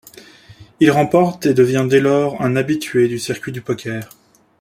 Il remporte et devient dès lors un habitué du circuit du poker.